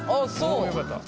およかった。